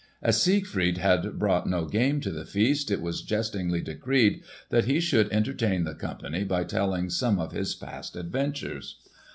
As Siegfried had brought no game to the feast, it was jestingly decreed that he should entertain the company by telling some of his past adventures.